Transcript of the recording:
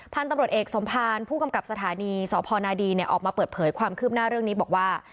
พันธุ์ตำรวจเอกสมภารผู้กำกับสถานีสพนดีออกมาเปิดเผยความคืบหน้าเรื่องนี้บอกว่า